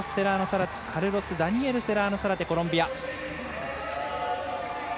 カルロスダニエル・セラーノサラテコロンビア。